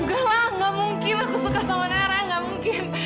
enggak lah gak mungkin aku suka sama nara gak mungkin